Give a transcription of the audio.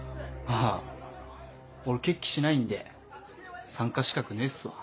あぁ俺決起しないんで参加資格ねえっすわ。